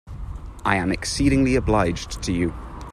I am exceedingly obliged to you.